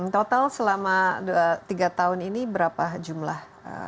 total selama tiga tahun ini berapa jumlah